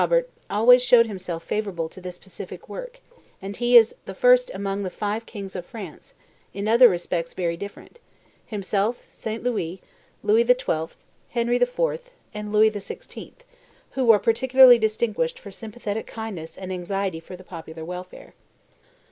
King Robert always showed himself favorable to this pacific work; and he is the first amongst the five kings of France, in other respects very different, himself, St. Louis, Louis XII, Henry IV., and Louis XVI., who were particularly distinguished for sympathetic kindness and anxiety for the popular welfare.